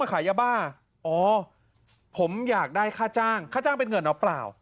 ขายยาบ้าอ๋อผมอยากได้ค่าจ้างค่าจ้างเป็นเงินหรือเปล่า